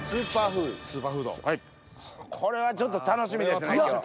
これはちょっと楽しみですね。